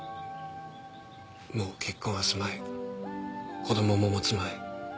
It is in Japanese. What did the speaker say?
もう結婚はすまい子供も持つまい。